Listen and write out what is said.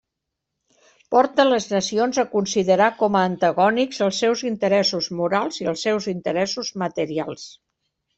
Porta les nacions a considerar com a antagònics els seus interessos morals i els seus interessos materials.